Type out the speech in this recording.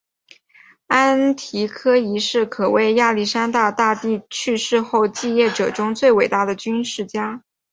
安提柯一世可谓亚历山大大帝去世后继业者中最伟大的军事家。